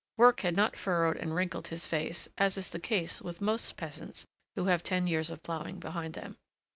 Work had not furrowed and wrinkled his face, as is the case with most peasants who have ten years of ploughing behind them.